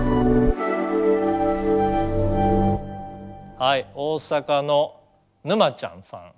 はい大阪のぬまちゃんさん。